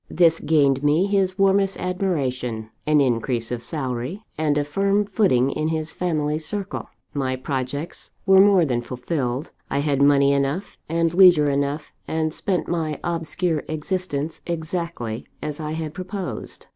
This gained me his warmest admiration, an increase of salary, and a firm footing in his family circle. My projects were more than fulfilled: I had money enough, and leisure enough; and spent my obscure existence exactly as I had proposed.